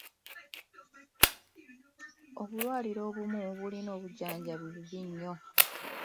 Obulwaliro obumu bulina obujjanjabi obubi ennyo.